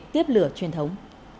tiếp lửa truyền thống